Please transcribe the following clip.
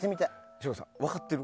省吾さん、分かってる？